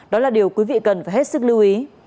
đó là điều quý vị cần phải hết sức lưu ý